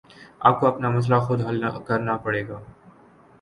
آپ کو اپنا مسئلہ خود حل کرنا پڑے گا